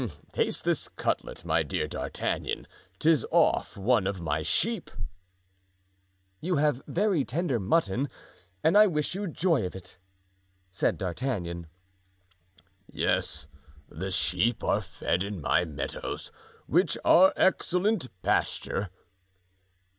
Taste this cutlet, my dear D'Artagnan; 'tis off one of my sheep." "You have very tender mutton and I wish you joy of it." said D'Artagnan. "Yes, the sheep are fed in my meadows, which are excellent pasture."